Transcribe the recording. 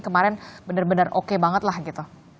kemarin benar benar oke banget lah gitu